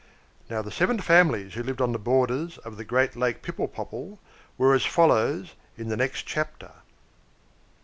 Now, the seven families who lived on the borders of the great Lake Pipple Popple were as follows in the next chapter.